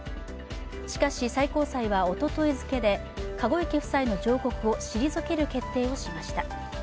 しかし、最国際はおととい付で籠池夫妻の上告を退ける決定をしました。